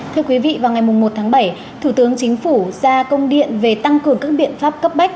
thưa quý vị vào ngày một tháng bảy thủ tướng chính phủ ra công điện về tăng cường các biện pháp cấp bách